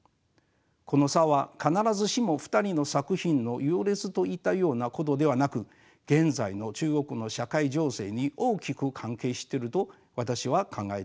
この差は必ずしも２人の作品の優劣といったようなことではなく現在の中国の社会情勢に大きく関係してると私は考えています。